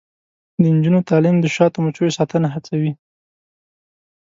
د نجونو تعلیم د شاتو مچیو ساتنه هڅوي.